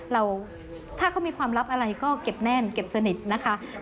เราถ้าเขามีความลับอะไรก็เก็บแน่นเก็บสนิทนะคะ